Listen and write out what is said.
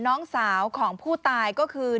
น้องสาวของผู้ตายก็คือ